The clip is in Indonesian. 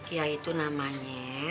ya itu namanya